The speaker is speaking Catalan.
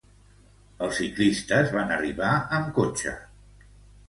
Els ciclistes van arribar amb cotxe.